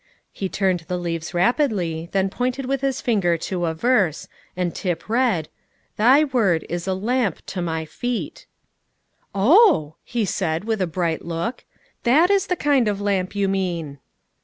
He turned the leaves rapidly, then pointed with his finger to a verse; and Tip read, "Thy word is a lamp to my feet." "Oh," he said, with a bright look, "that is the kind of lamp you mean!"